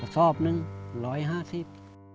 สอบ๑๕๐บาท